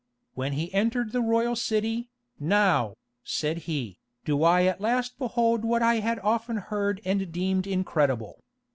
"When he entered the royal city, 'Now,' said he, 'do I at last behold what I had often heard and deemed incredible.